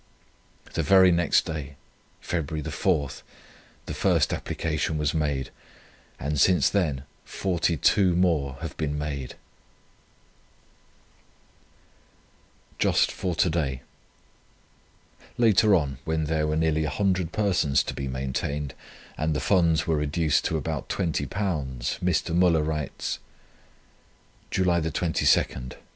The very next day, February 4, the first application was made, and since then 42 more have been made." "JUST FOR TO DAY." Later on, when there were nearly 100 persons to be maintained, and the funds were reduced to about £20, Mr. Müller writes: "July 22 .